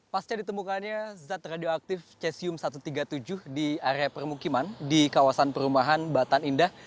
pasca ditemukannya zat radioaktif cesium satu ratus tiga puluh tujuh di area permukiman di kawasan perumahan batan indah